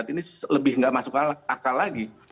ini lebih nggak masuk akal lagi